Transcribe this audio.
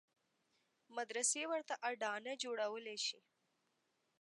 مدرسې ورته اډانه جوړولای شي.